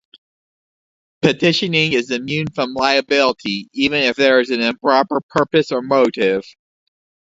Petitioning is immune from liability even if there is an improper purpose or motive.